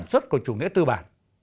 giúp đỡ đất nước của chủ nghĩa tư bản